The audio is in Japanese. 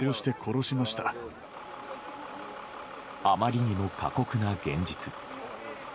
あまりにも過酷な現実。